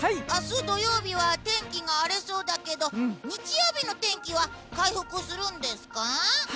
明日、土曜日は天気が荒れそうだけど日曜日の天気は回復するんですか？